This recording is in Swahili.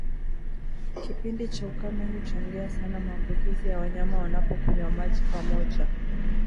Kipindi cha ukame huchangia sana maambukizi wanayama wanapo kunywa maji pamoja